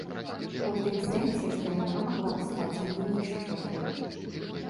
У тым сэнсе, што яна магла б стаць меней шчодрай.